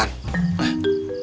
kamu udah berhenti jalan